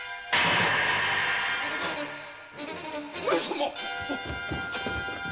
上様！